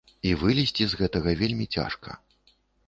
І вылезці з гэтага вельмі цяжка.